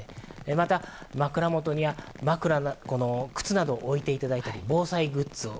また枕元には靴などを置いていただいて防災グッズを。